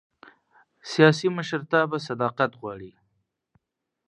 سیاسي مشرتابه صداقت غواړي